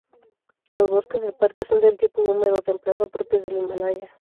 Los bosques del parque son del tipo húmedo templado, propios del Himalaya.